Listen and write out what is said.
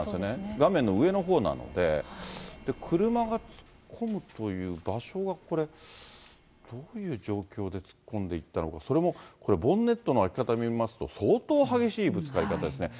画面の上のほうなので、車が突っ込むという場所がこれ、どういう状況で突っ込んでいったのか、これ、ボンネットの開き方見ますと、相当、激しいぶつかり方ですね。